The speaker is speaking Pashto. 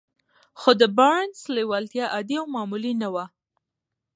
خو د بارنس لېوالتیا عادي او معمولي نه وه.